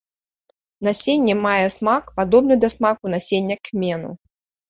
Насенне мае смак, падобны да смаку насення кмену.